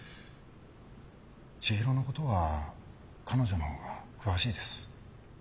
千尋の事は彼女のほうが詳しいです。